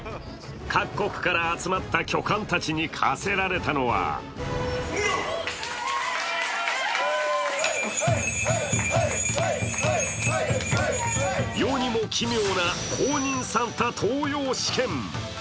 各国から集まった巨漢たちに課せられたのは世にも奇妙な公認サンタ登用試験。